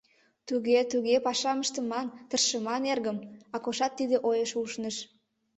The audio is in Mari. — Туге, туге, пашам ыштыман, тыршыман, эргым, — Акошат тиде ойыш ушныш.